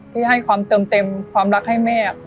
ที่ให้ความเติมเต็มความรักให้แม่มีเขาคนเดียว